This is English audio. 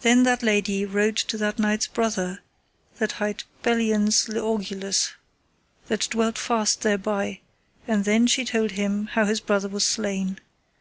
Then that lady rode to that knight's brother that hight Belliance le Orgulus, that dwelt fast thereby, and then she told him how his brother was slain.